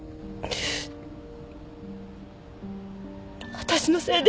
私のせいで。